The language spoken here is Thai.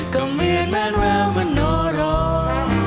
ก็เหมือนแมนว่ามโนรม